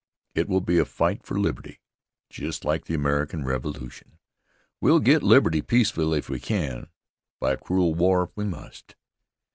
It will be a fight for liberty, just like the American Revolution. We'll get liberty peacefully if we can; by cruel war if we must.